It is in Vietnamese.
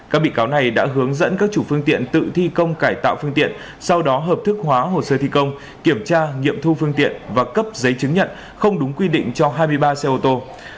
các bị cáo này đã hướng dẫn các chủ phương tiện tự thi công cải tạo phương tiện sau đó hợp thức hóa hồ sơ thi công kiểm tra nghiệm thu phương tiện và cấp giấy chứng nhận không đúng quy định cho hai mươi ba xe ô tô